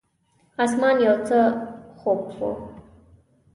اسمان یو څه خوپ و.